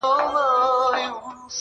چي په خیال کي میکدې او خُمان وینم,